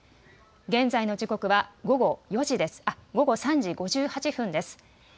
現在の時刻は午後３時５８分です。